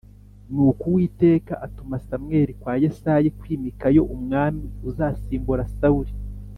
Nuko Uwiteka atuma samweli kwa yesayi kwimikayo umwami uzasimbura Sawuli